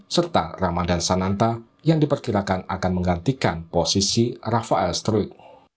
serta ramadan sananta yang diperkirakan akan menggantikan posisi rafael struik